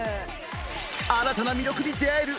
新たな魅力に出会える！